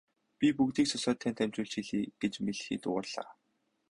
Би бүгдийг сонсоод танд дамжуулж хэлье гэж мэлхий дуугарлаа.